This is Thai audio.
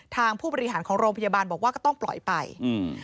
ผู้บริหารของโรงพยาบาลบอกว่าก็ต้องปล่อยไปอืม